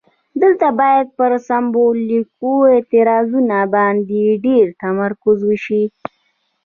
دلته باید پر سمبولیکو اعتراضونو باندې ډیر تمرکز وشي.